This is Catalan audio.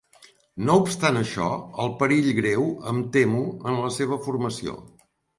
No obstant això, el perill greu em temo en la seva formació.